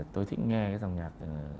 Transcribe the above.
tôi thích nghe cái dòng nhạc